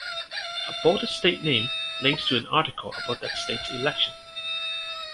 A bolded state name links to an article about that state's election.